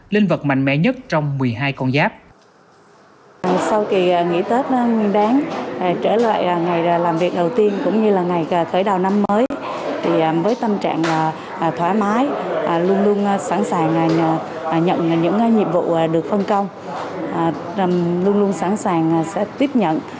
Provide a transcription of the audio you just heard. linh vật mạnh mẽ nhất trong một mươi hai con giáp